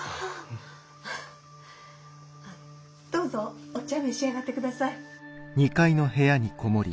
どうぞお茶召し上がってください。